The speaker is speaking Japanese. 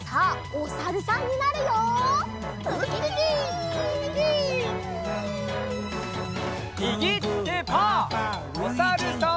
おさるさん。